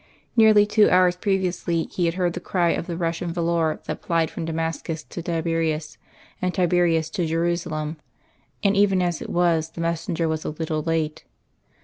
Nearly two hours previously he had heard the cry of the Russian volor that plied from Damascus to Tiberias, and Tiberias to Jerusalem, and even as it was the messenger was a little late.